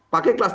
pakai kelas tiga